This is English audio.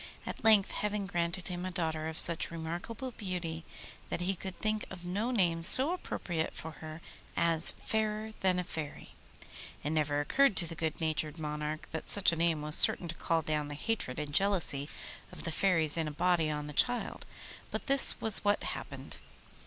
At length heaven granted him a daughter of such remarkable beauty that he could think of no name so appropriate for her as 'Fairer than a Fairy.' It never occurred to the good natured monarch that such a name was certain to call down the hatred and jealousy of the fairies in a body on the child, but this was what happened.